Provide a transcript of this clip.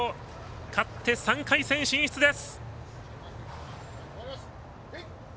勝って３回戦進出です。